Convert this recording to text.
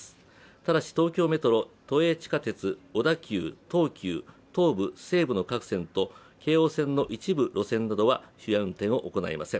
ただし、東京メトロ、都営地下鉄、小田急、東急、東武、西武の各線と京王線の一部路線などは終夜運転を行いません。